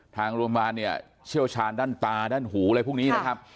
ทางโรงพยาบาลเนี่ยเชี่ยวชาญด้านตาด้านหูอะไรพวกนี้นะครับ